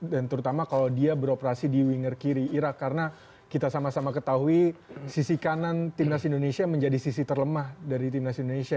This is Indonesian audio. terutama kalau dia beroperasi di winger kiri irak karena kita sama sama ketahui sisi kanan timnas indonesia menjadi sisi terlemah dari timnas indonesia